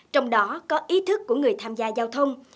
trong đó có ý thức của người tham gia giao thông